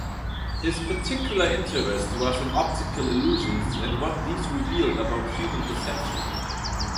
His particular interest was in optical illusions and what these revealed about human perception.